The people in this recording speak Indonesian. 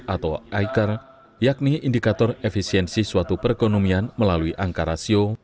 atau iker yakni indikator efisiensi suatu perekonomian melalui angka rasio